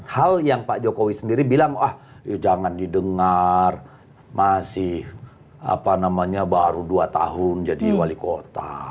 hal yang pak jokowi sendiri bilang ah jangan didengar masih apa namanya baru dua tahun jadi wali kota